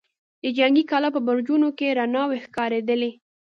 د جنګي کلا په برجونو کې رڼاوې ښکارېدلې.